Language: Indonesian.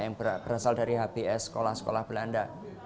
yang berasal dari hbs sekolah sekolah belanda